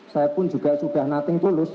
saya pun juga sudah nothing tulus